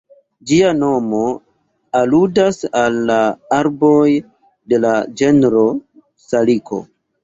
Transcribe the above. Ĝia nomo aludas al la arboj de la genro Saliko.